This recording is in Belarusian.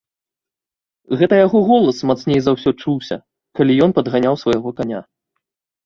Гэта яго голас мацней за ўсё чуўся, калі ён падганяў свайго каня.